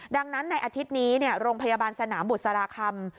ดังนั้นในอาทิตย์นี้โรงพยาบาลสนามบุษราคำ